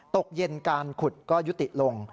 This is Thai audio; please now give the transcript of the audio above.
ตกเย็นการขุดก็ยุติลง